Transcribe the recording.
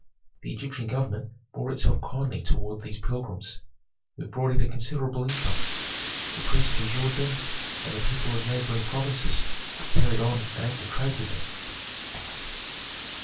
The Egyptian government bore itself kindly toward these pilgrims, who brought it a considerable income; the priests endured them, and the people of neighboring provinces carried on an active trade with them.